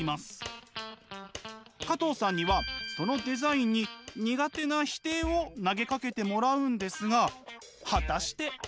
加藤さんにはそのデザインに苦手な否定を投げかけてもらうんですが果たして。